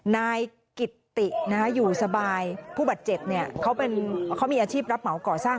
นายกิตตินะฮะอยู่สบายผู้บัด๗เนี่ยเขาเป็นเขามีอาชีพรับเหมาก่อสร้าง